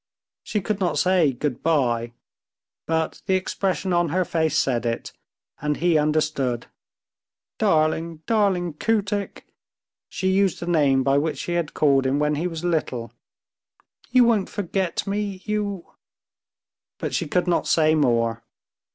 She could not say good bye, but the expression on her face said it, and he understood. "Darling, darling Kootik!" she used the name by which she had called him when he was little, "you won't forget me? You...." but she could not say more.